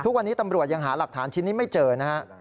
ทุกวันนี้ตำรวจยังหาหลักฐานชิ้นนี้ไม่เจอนะฮะ